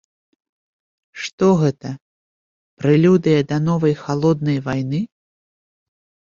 Што гэта, прэлюдыя да новай халоднай вайны?